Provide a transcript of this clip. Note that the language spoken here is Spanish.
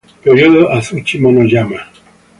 Período Azuchi-Momoyama.